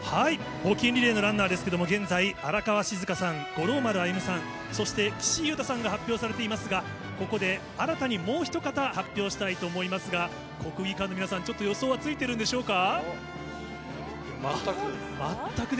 募金リレーのランナーですけれども、現在、荒川静香さん、五郎丸歩さん、そして岸優太さんが発表されていますが、ここで新たにもうひとかた、発表したいと思いますが、国技館の皆さん、ちょっと予想はついているんでしょうか。